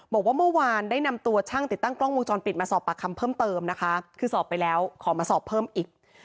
บอกว่าเมื่อวานได้นำตัวช่างติดตั้งกล้องวงจรปิดมาสอบปากคำเพิ่มเติมนะคะคือสอบไปแล้วขอมาสอบเพิ่มอีก